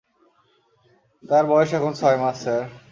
তার বয়স এখন ছয় মাস, স্যার!